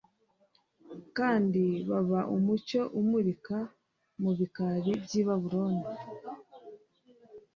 kandi baba umucyo umurika mu bikari by’i Babuloni.